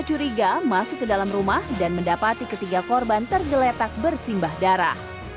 curiga masuk ke dalam rumah dan mendapati ketiga korban tergeletak bersimbah darah